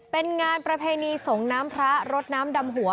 เป็นงานประเพณีส่งน้ำพระรดน้ำดำหัว